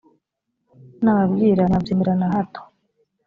nababwira ntimwabyemera na hato